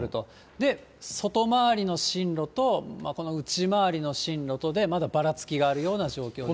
で、外回りの進路と、この内回りの進路とでまだばらつきがあるような状況です。